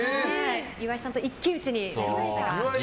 岩井さんと一騎打ちになりました。